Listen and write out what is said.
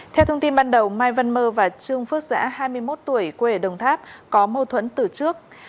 theo thông tin ban đầu mai văn mơ và trương phước giã hai mươi một tuổi quê ở đồng tháp có mâu thuẫn từ trước